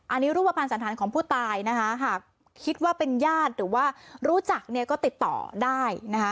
อันนี้รูปภัณฑ์สันธารของผู้ตายนะคะหากคิดว่าเป็นญาติหรือว่ารู้จักเนี่ยก็ติดต่อได้นะคะ